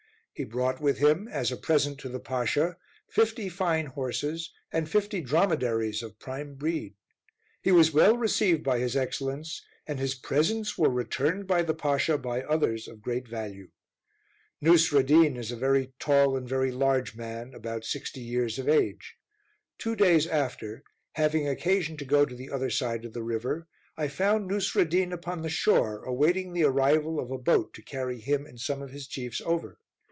He brought with him, as a present to the Pasha, fifty fine horses, and fifty dromedaries of prime breed. He was well received by his Excellence, and his presents were returned by the Pasha, by others of great value. Nousreddin is a very tall and very large man, about sixty years of age. Two days after, having occasion to go to the other side of the river, I found Nousreddin upon the shore, awaiting the arrival of a boat to carry him and some of his chiefs over.